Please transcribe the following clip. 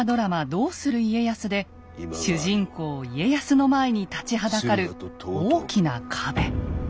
「どうする家康」で主人公・家康の前に立ちはだかる大きな壁。